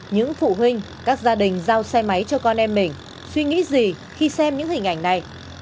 những phụ huynh các gia đình giao xe máy cho con em mình suy nghĩ gì khi xem những hình ảnh này